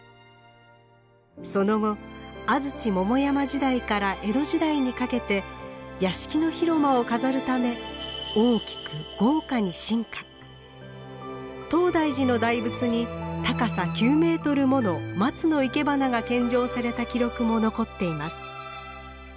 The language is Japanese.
その後安土桃山時代から江戸時代にかけて屋敷の広間を飾るため東大寺の大仏に高さ９メートルもの松のいけばなが献上された記録も残っています。